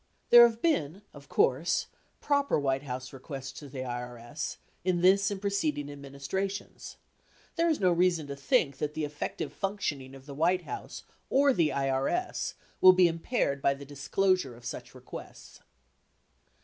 There have been, of course, proper White House requests to the IRS in this and preceding administrations. There is no reason to think that the effective functioning of the White House or the IRS will be impaired by the disclosure of such requests.